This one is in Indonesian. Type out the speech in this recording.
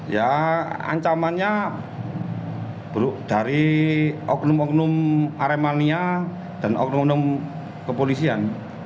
ya ancamannya dari oknum oknum aremania dan oknum oknum kepolisian